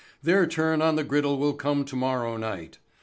Their turn on the griddle will come tomorrow night.